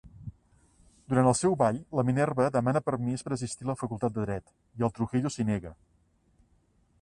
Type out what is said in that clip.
Durant el seu ball, la Minerva demana permís per assistir a la facultat de dret i el Trujillo s'hi nega.